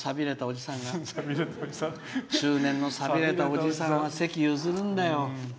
中年の寂れたおじさんは席譲るんだよ。